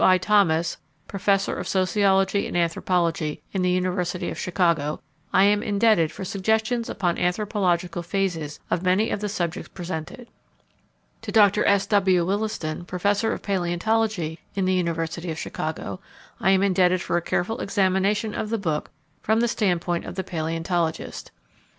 I. Thomas, professor of sociology and anthropology in the University of Chicago, I am indebted for suggestions upon anthropological phases of many of the subjects presented. To Dr. S. W. Williston, professor of paleontology in the University of Chicago, I am indebted for a careful examination of the book from the standpoint of the paleontologist.